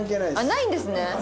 ないんですね。